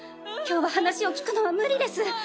今日は話を聞くのは無理です。